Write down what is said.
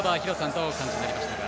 どうお感じになりましたか？